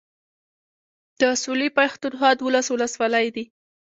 د سويلي پښتونخوا دولس اولسولۍ دي.